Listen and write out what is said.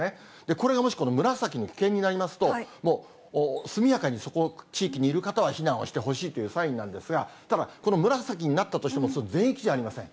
これがもしこの紫の危険になりますと、もう速やかにそこの地域にいる方は避難をしてほしいというサインなんですが、ただこの紫になったとしても、全域じゃありません。